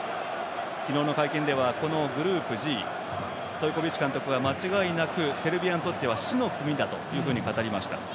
昨日の会見ではグループＧストイコビッチ監督は間違いなくセルビアにとっては死の組だと語りました。